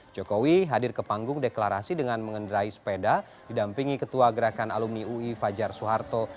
jokowi hadir ke panggung deklarasi dengan mengendarai sepeda didampingi ketua gerakan alumni ui fajar soeharto